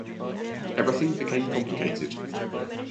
Everything became complicated.